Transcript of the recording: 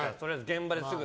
現場ですぐ。